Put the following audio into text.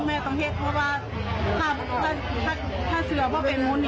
ไม่ต้องเท็จเพราะว่าถ้าเสือเป็นมุ้น